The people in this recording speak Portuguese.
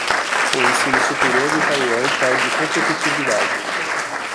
O ensino superior de Taiwan perde competitividade